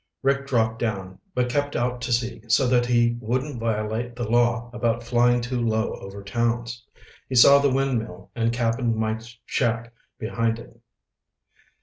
Rick dropped down, but kept out to sea so that he wouldn't violate the law about flying too low over towns. He saw the windmill and Cap'n Mike's shack behind it.